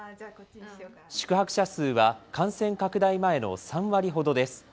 宿泊者数は感染拡大前の３割ほどです。